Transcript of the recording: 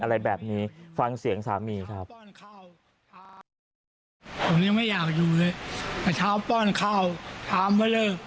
อะไรแบบนี้ฟังเสียงสามีครับ